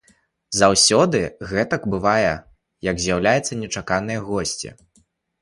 Заўсёды ўжо гэтак бывае, як з'явяцца нечаканыя госці.